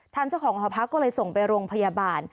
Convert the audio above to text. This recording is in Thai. ทางเจ้าของหอพักก็เลยส่งไปโรงพยาบาล